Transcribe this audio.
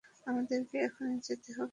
আমাদেরকে এখনি যেতে হবে।